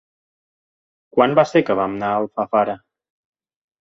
Quan va ser que vam anar a Alfafara?